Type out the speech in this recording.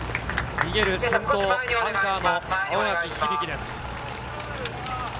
逃げる先頭、アンカーの青柿響です。